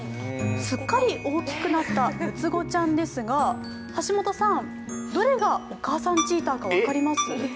すっかり大きくなった６つ子ちゃんですが橋本さん、どれがお母さんチーターか分かります？